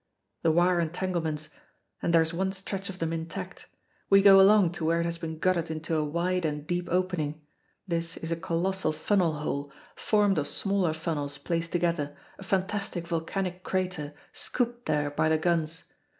The wire entanglements and there is one stretch of them intact. We go along to where it has been gutted into a wide and deep opening. This is a colossal funnel hole, formed of smaller funnels placed together, a fantastic volcanic crater, scooped there by the guns.